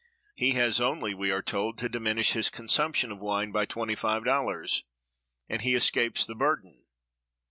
He has only (we are told) to diminish his consumption of wine by [$25], and he escapes the burden.